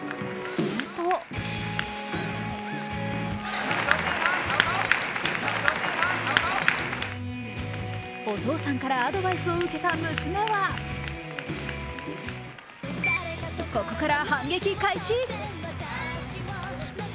するとお父さんからアドバイスを受けた娘はここから反撃開始。